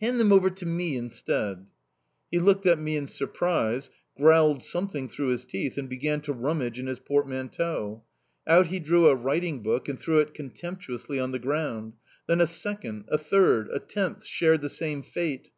"Hand them over to me instead." He looked at me in surprise, growled something through his teeth, and began to rummage in his portmanteau. Out he drew a writing book and threw it contemptuously on the ground; then a second a third a tenth shared the same fate.